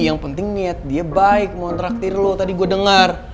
yang penting niat dia baik mengontraktir lo tadi gue dengar